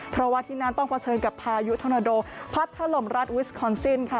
เพราะว่าที่นั่นต้องเผชิญกับพายุธนโดพัดถล่มรัฐวิสคอนซินค่ะ